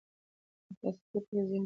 احساساتي پرېکړې زيان رسوي.